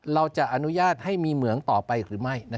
เราจะอนุญาตให้มีเหมืองต่อไปหรือไม่